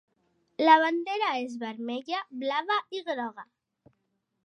La bandera és vermella, blava i groga.